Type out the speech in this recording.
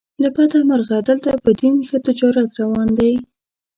له بده مرغه دلته په دین ښه تجارت روان دی.